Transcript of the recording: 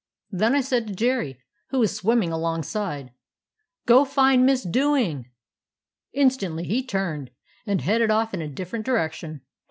Then I said to Jerry, who was swim ming alongside; " 'Go find Miss Dewing.' "Instantly he turned, and headed off in a different direction.